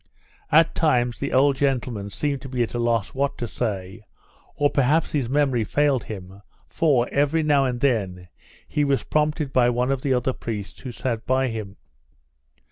At times, the old gentleman seemed to be at a loss what to say, or perhaps his memory failed him; for, every now and then, he was prompted by one of the other priests who sat by him.